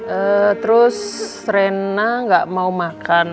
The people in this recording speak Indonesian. ee terus rena gak mau makan